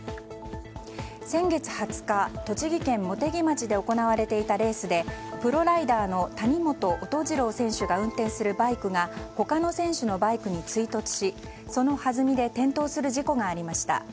先月２０日、栃木県茂木町で行われていたレースでプロライダーの谷本音虹郎選手が運転するバイクが他の選手のバイクに追突しそのはずみで転倒する事故がありました。